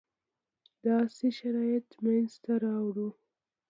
داسې شرایط منځته راوړو.